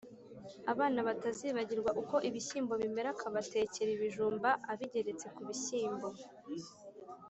abana batazibagirwa uko ibishyimbo bimera akabatekera ibijumba abigeretse ku bishyimbo